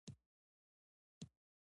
علم د زړه اطمينان راوړي.